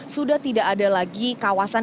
sudah tidak ada lagi kawasan